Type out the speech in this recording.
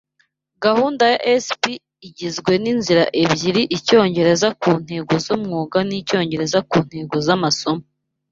Gahunda ya ESP igizwe n'inzira ebyiri; Icyongereza ku ntego z'umwuga n'Icyongereza ku ntego z'amasomo